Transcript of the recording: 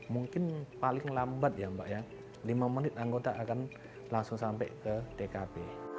mungkin paling lambat ya mbak ya lima menit anggota akan langsung sampai ke tkp